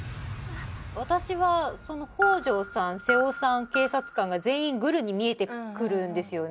私は北条さん背尾さん警察官が全員グルに見えてくるんですよね。